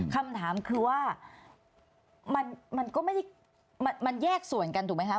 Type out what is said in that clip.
คำถามคือว่ามันแยกส่วนกันถูกไหมคะ